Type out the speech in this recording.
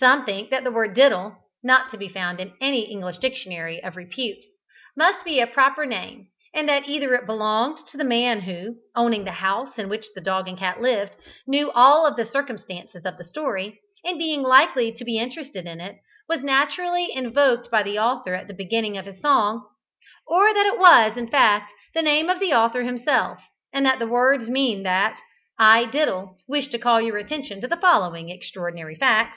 Some think that the word "diddle" (not to be found in any English dictionary of repute) must be a proper name, and that either it belonged to the man who, owning the house in which the dog and cat lived, knew all the circumstances of the story, and being likely to be interested in it, was naturally invoked by the author at the beginning of his song; or that it was, in fact, the name of the author himself, and that the words mean that "I, Diddle, wish to call your attention to the following extraordinary facts."